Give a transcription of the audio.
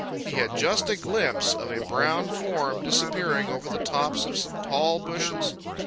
He had just a glimpse of a brown form disappearing over the tops of some tall bushes.